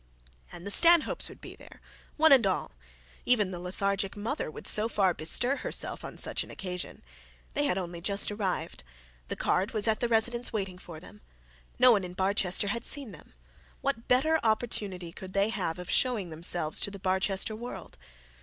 And the Stanhopes would be there, one and all. Even the lethargic mother would so far bestir herself on such an occasion. They had only just arrived. The card was at the residence waiting for them. No one in Barchester had seen them; and what better opportunity could they have of showing themselves to the Barchester world?